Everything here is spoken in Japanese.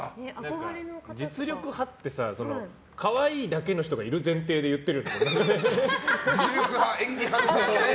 実力派って可愛いだけの人がいる前提で実力派、演技派ってね。